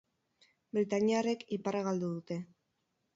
Britainiarrek iparra galdu dute.